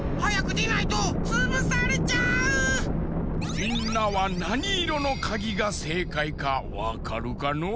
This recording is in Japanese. みんなはなにいろのかぎがせいかいかわかるかのう？